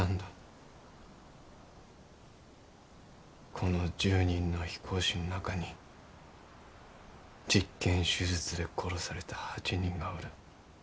この１０人の飛行士ん中に実験手術で殺された８人がおる。